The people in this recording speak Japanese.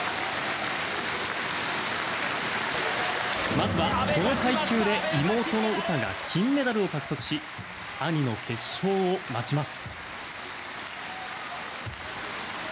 まずは、この階級で妹の詩が金メダルを獲得し兄の決勝を待ちます。